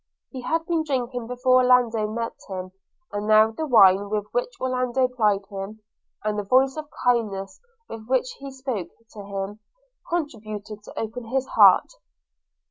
He had been drinking before Orlando met him; and now the wine with which Orlando plied him, and the voice of kindness with which he spoke to him, contributed to open his heart.